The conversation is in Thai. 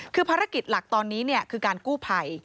คือภารกิจหลักตอนนี้คือการกู้ภัย